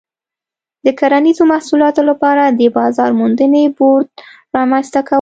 د کرنیزو محصولاتو لپاره د بازار موندنې بورډ رامنځته کول و.